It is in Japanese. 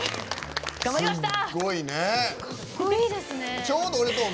頑張りました！